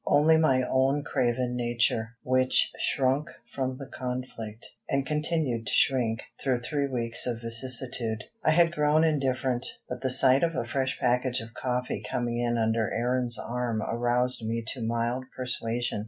Only my own craven nature, which shrunk from the conflict, and continued to shrink, through three weeks of vicissitude. I had grown indifferent, but the sight of a fresh package of coffee coming in under Aaron's arm aroused me to mild persuasion.